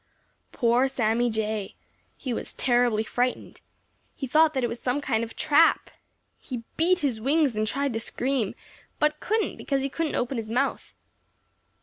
Poor Sammy Jay! He was terribly frightened. He thought that it was some kind of a trap. He beat his wings and tried to scream but couldn't, because he couldn't open his mouth.